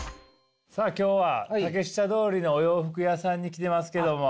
さあ今日は竹下通りのお洋服屋さんに来てますけども。